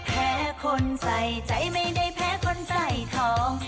แพ้คนใส่ใจไม่ได้แพ้คนใส่ทอง